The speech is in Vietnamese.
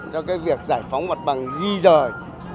cho cái việc giải phóng mặt bằng di rời